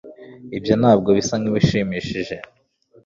ntabwo ibyo bisa nkibishimishije